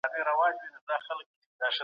زېرمه په ښه ډول تر راتلونکو نسلو پوري وساتي.